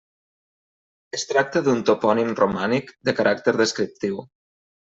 Es tracta d'un topònim romànic de caràcter descriptiu.